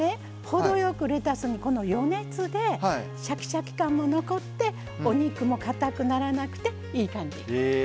程よくレタスに予熱でシャキシャキ感も残ってお肉もかたくならなくていい感じ。